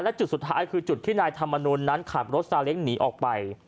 และจุดสุดท้ายคือจุดที่นายธรรมนุนนั้นขับรถซาเล้งหนีออกไป